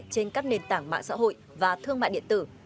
trên các nền tảng mạng xã hội và thương mại điện tử